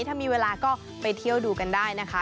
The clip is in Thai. ถ้ามีเวลาก็ไปเที่ยวดูกันได้นะคะ